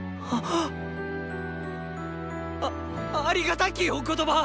あっありがたきお言葉！